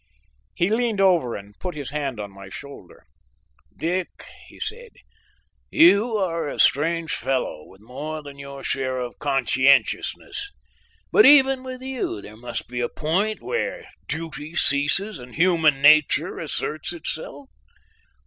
He leaned over and put his hand on my shoulder. "Dick," he said, "you are a strange fellow with more than your share of conscientiousness, but even with you there must be a point where duty ceases and human nature asserts itself.